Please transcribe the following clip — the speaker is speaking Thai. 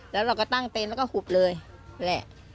แล้วเราก็ตั้งเต็นต์แล้วก็หุบเลยแหละ